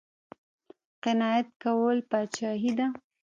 قناعت کول پادشاهي ده